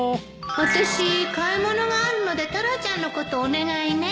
あたし買い物があるのでタラちゃんのことお願いね